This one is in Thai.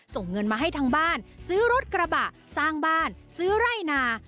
ส่งเงินมาให้ทางบ้านซื้อรถกระบะสร้างบ้านซื้อไร่นา